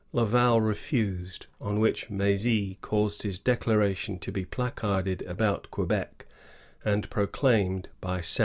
Laval refused ; on which M^zy caused his declaration to be placarded about Quebec and proclaimed by sound of drum.